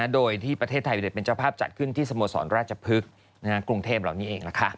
โดยที่ประเทศไทยเป็นเจ้าภาพจัดขึ้นที่สโมสรราชพฤกษ์กรุงเทพเหล่านี้เอง